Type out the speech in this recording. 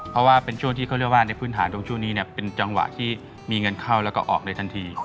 เพราะว่าเป็นช่วงที่เขาเรียกว่าในพื้นฐานตรงช่วงนี้เป็นจังหวะที่มีเงินเข้าแล้วก็ออกเลยทันที